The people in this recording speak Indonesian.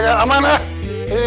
jangan aman ya